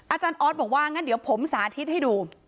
อาจารย์ออสบอกว่างั้นเดี๋ยวผมสาธิตให้ดู